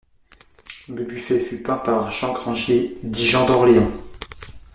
Le buffet fut peint par Jean Grangier, dit Jean d'Orléans.